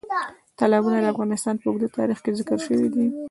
تالابونه د افغانستان په اوږده تاریخ کې ذکر شوي دي.